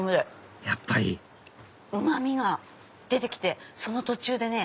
やっぱりうまみが出てきてその途中で。